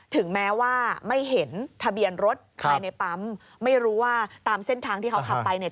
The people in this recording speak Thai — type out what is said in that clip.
ถึงแม้ว่าไม่เห็นทะเบียนรถภายในปั๊มไม่รู้ว่าตามเส้นทางที่เขาขับไปเนี่ย